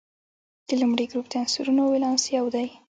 د لومړي ګروپ د عنصرونو ولانس یو دی.